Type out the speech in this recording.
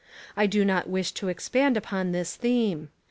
I do not wish to expand upon this theme.